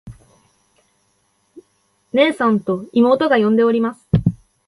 「ねえさん。」と妹が呼んでおります。